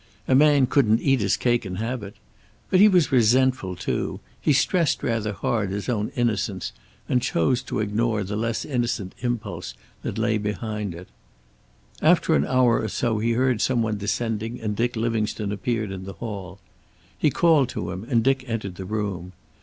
A man couldn't eat his cake and have it. But he was resentful, too; he stressed rather hard his own innocence, and chose to ignore the less innocent impulse that lay behind it. After a half hour or so he heard some one descending and Dick Livingstone appeared in the hall. He called to him, and Dick entered the room.